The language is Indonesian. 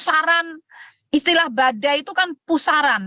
saran istilah badai itu kan pusaran